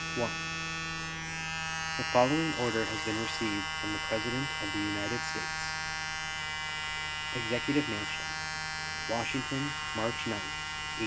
The following order has been received from the President of the United States: EXECUTIVE MANSION, Washington, March 9, 1874.